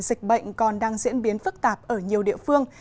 dịch bệnh còn đang diễn biến phức tạp ở nhiều địa phương